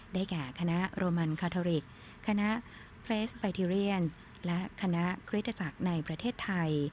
แก่คณะโรมันคาทอริกคณะเพลสไบทิเรียนและคณะคริสตจักรในประเทศไทย